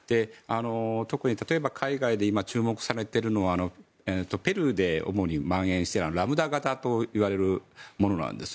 特に、例えば海外で今、注目されているのはペルーで主にまん延しているラムダ型といわれるものです。